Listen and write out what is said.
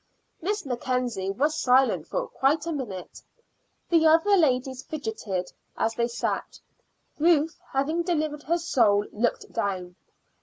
Miss Mackenzie was silent for quite a minute. The other ladies fidgeted as they sat. Ruth, having delivered her soul, looked down.